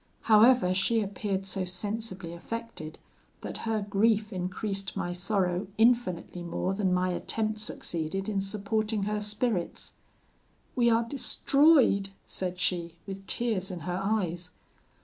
However, she appeared so sensibly affected, that her grief increased my sorrow infinitely more than my attempt succeeded in supporting her spirits. 'We are destroyed!' said she, with tears in her eyes.